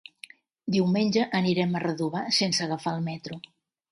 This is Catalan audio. Diumenge anirem a Redovà sense agafar el metro.